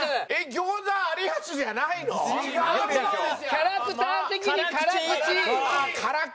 キャラクター的に辛口。